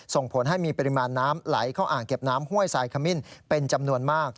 ส่งผลให้มีปริมาณน้ำไหลเข้าอ่างเก็บน้ำห้วยสายขมิ้นเป็นจำนวนมาก